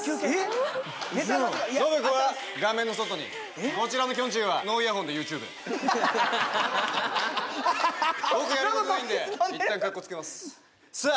信子は画面の外にこちらのきょんちぃはノーイヤホンでＹｏｕＴｕｂｅ僕やることないんでいったんかっこつけますさあ